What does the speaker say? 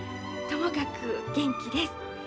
ともかく元気です。